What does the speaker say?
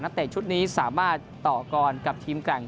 เตะชุดนี้สามารถต่อกรกับทีมแกร่ง